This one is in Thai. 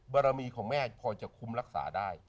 บารมีของแม่พอจะคุ้มรักษาได้